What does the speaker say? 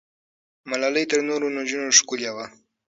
ملالۍ تر نورو نجونو ښکلې وه.